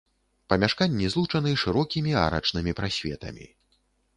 Памяшканні злучаны шырокімі арачнымі прасветамі.